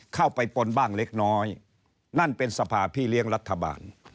ปนบ้างเล็กน้อยนั่นเป็นสภาพี่เลี้ยงรัฐบาล